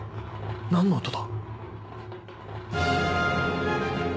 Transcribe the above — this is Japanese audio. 何の音だ？